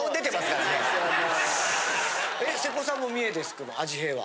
瀬古さんも三重ですけどあじへいは？